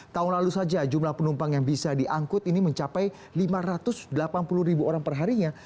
tahun lalu saja jumlah penumpang yang bisa diangkut ini mencapai lima ratus delapan puluh ribu orang perharinya